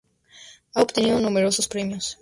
Ha obtenido numerosos premios.